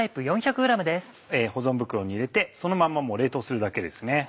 保存袋に入れてそのまんま冷凍するだけですね。